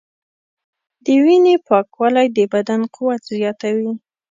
د وینې پاکوالی د بدن قوت زیاتوي.